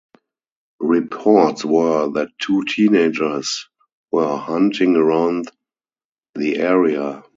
Reports were that two teenagers were hunting around the area.